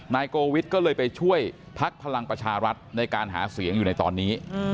โกวิทย์ก็เลยไปช่วยพักพลังประชารัฐในการหาเสียงอยู่ในตอนนี้